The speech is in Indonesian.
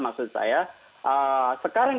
maksud saya sekarang